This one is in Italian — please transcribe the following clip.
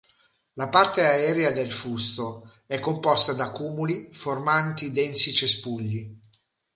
La parte aerea del fusto è composta da culmi formanti densi cespugli.